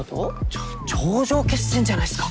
ちょ頂上決戦じゃないっすか。